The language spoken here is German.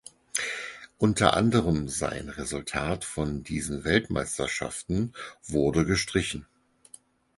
Unter anderem sein Resultat von diesen Weltmeisterschaften wurde gestrichen.